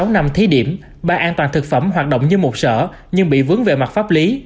sáu năm thí điểm ban an toàn thực phẩm hoạt động như một sở nhưng bị vướng về mặt pháp lý